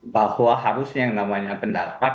bahwa harusnya yang namanya pendapat